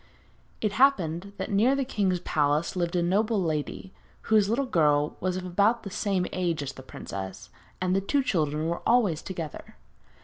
It happened that near the king's palace lived a noble lady, whose little girl was of about the same age as the princess, and the two children were always together.